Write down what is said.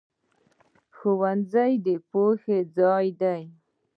ښوونځی د پوهې ځای دی